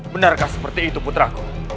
benarkah seperti itu putraku